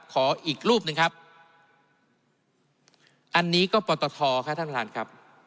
ขออีกรูปหนึ่งครับอันนี้ก็ปตทค่ะท่านประธานครับ